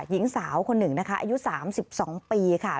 หญิงสาวคนหนึ่งนะคะอายุสามสิบสองปีค่ะ